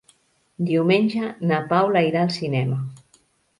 Diumenge na Paula irà al cinema.